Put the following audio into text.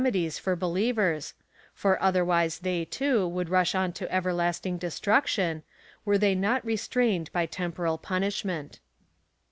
dies for believers, for otherwise they, too, would rush on to everlasting destruction,^ were they not restrained by tempo ral punishment.